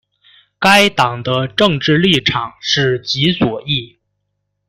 该党的政治立场是极左翼。